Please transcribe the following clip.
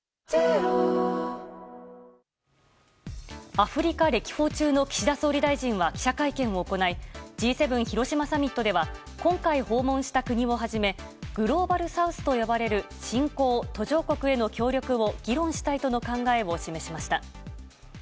アフリカ歴訪中の岸田総理大臣は記者会見を行いＧ７広島サミットでは今回訪問した国を始めグローバルサウスと呼ばれる新興・途上国への協力を議論したいとの考えを示しました。